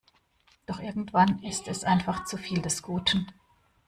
Doch irgendwann ist es einfach zu viel des Guten.